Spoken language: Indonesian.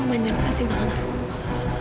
tolong jangan lepasin tangan aku